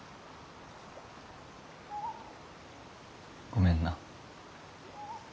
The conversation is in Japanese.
ごめんな。